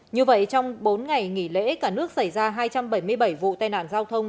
như vậy trong bốn ngày nghỉ lễ cả nước xảy ra hai trăm bảy mươi bảy vụ tai nạn giao thông